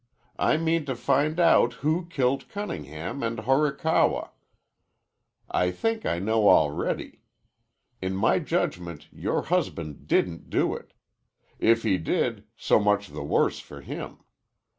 I mean to find out who killed Cunningham an' Horikawa. I think I know already. In my judgment your husband didn't do it. If he did, so much the worse for him.